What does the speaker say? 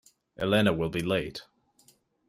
Elena will be late.